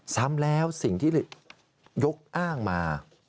ซ้ำแล้วสิ่งที่ยกอ้างมา